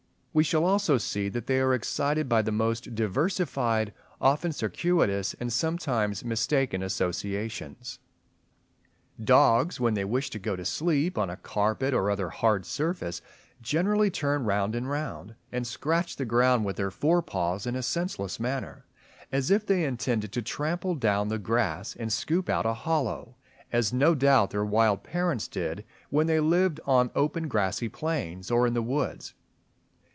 We shall also see that they are excited by the most diversified, often circuitous, and sometimes mistaken associations. Dogs, when they wish to go to sleep on a carpet or other hard surface, generally turn round and round and scratch the ground with their fore paws in a senseless manner, as if they intended to trample down the grass and scoop out a hollow, as no doubt their wild parents did, when they lived on open grassy plains or in the woods.